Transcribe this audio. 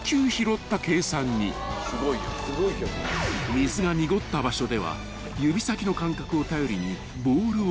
［水が濁った場所では指先の感覚を頼りに］